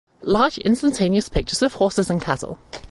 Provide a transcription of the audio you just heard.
Large instantaneous pictures of horses and cattle’.